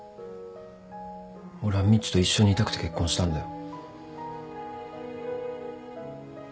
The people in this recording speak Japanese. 俺はみちと一緒にいたくて結婚したんだよ。